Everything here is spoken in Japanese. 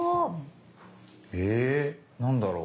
え何だろう？